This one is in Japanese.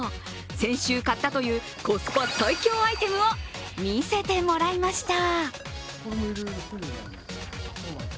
先週買ったというコスパ最強アイテムを見せてもらいました。